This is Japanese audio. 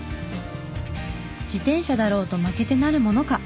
自転車だろうと負けてなるものか！